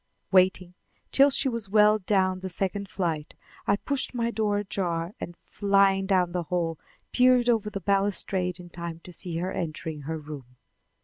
Waiting till she was well down the second flight, I pushed my door ajar and, flying down the hall, peered over the balustrade in time to see her entering her room.